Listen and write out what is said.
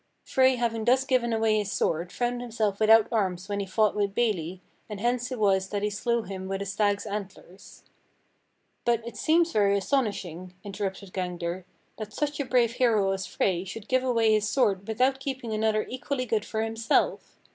"Frey having thus given away his sword, found himself without arms when he fought with Beli, and hence it was that he slew him with a stag's antlers." "But it seems very astonishing," interrupted Gangler, "that such a brave hero as Frey should give away his sword without keeping another equally good for himself.